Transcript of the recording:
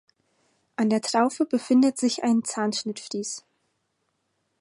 An der Traufe befindet sich ein Zahnschnittfries.